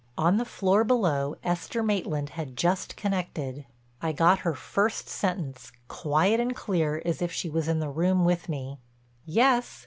On the floor below Esther Maitland had just connected; I got her first sentence, quiet and clear as if she was in the room with me: "Yes.